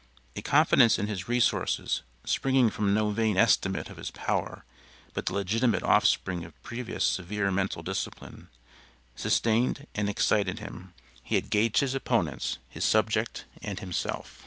A confidence in his resources, springing from no vain estimate of his power but the legitimate off spring of previous SEVERE MENTAL DISCIPLINE, sustained and excited him. He had gauged his opponents, his subject and HIMSELF.